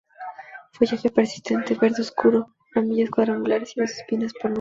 Follaje persistente, verde oscuro; ramillas cuadrangulares, y dos espinas por nudo.